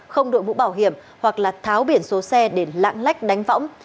không đội mũ bảo hiểm hoặc là tháo biển xô xe để lãng lách đánh võng